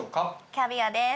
キャビアです。